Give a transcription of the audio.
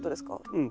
うん。